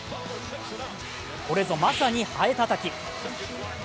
これぞまさにはえたたき。